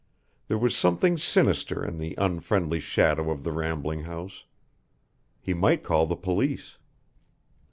There was something sinister in the unfriendly shadow of the rambling house. He might call the police.